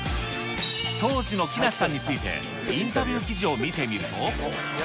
当時の木梨さんについて、インタビュー記事を見てみると。